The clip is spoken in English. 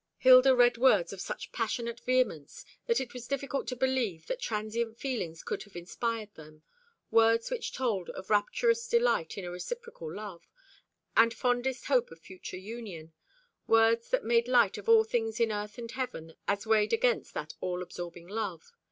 Hilda read words of such passionate vehemence that it was difficult to believe that transient feelings could have inspired them words which told of rapturous delight in a reciprocal love, and fondest hope of future union; words that made light of all things in earth and heaven as weighed against that all absorbing love.